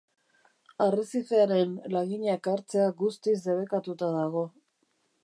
Arrezifearen laginak hartzea guztiz debekatuta dago.